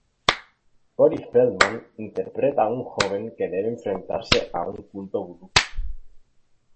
Corey Feldman interpreta a un joven que debe enfrentarse a un culto vudú.